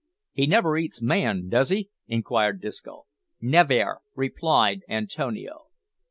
"He never eats man, does he?" inquired Disco. "Nevair," replied Antonio.